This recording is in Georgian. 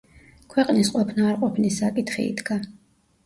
ქვეყნის ყოფნა-არყოფნის საკითხი იდგა.